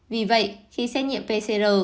vì vậy khi xét nghiệm pcr